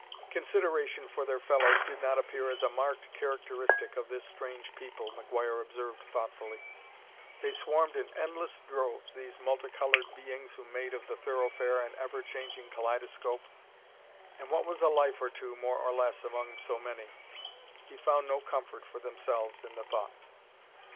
Consideration for their fellows did not appear as a marked characteristic of this strange people, McGuire observed thoughtfully. They swarmed in endless droves, these multicolored beings who made of the thoroughfare an ever changing kaleidoscope and what was a life or two, more or less, among so many? He found no comfort for themselves in the thought.